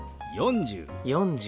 「４０」。